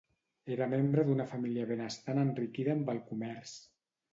Era membre d'una família benestant enriquida amb el comerç.